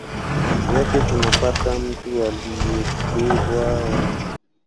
yake tunapata mtu aliyebebwa na imani katika matatizo na mateso